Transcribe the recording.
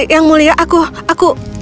yang mulia aku aku